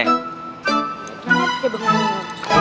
nangis deh bang